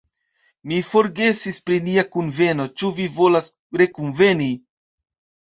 "Mi forgesis pri nia kunveno, ĉu vi volas rekunveni?"